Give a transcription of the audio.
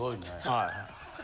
はい。